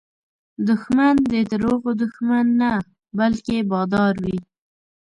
دښمن د دروغو دښمن نه، بلکې بادار وي